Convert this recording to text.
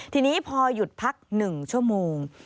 ทีนี้พอหยุดพัก๑ชั่วโมง